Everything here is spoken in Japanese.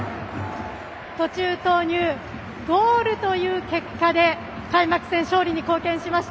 途中投入、ゴールという結果で開幕戦、勝利に貢献しました。